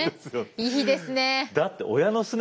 いいですね。